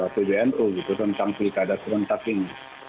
pbnu gitu tentang pilkada serentak ini